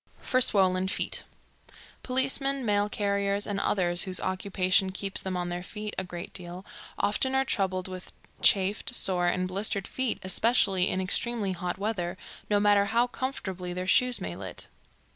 For Swollen Feet. Policemen, mail carriers, and others whose occupation keeps them on their feet a great deal, often are troubled with chafed, sore and blistered feet, especially in extremely hot weather, no matter how comfortably their shoes may lit.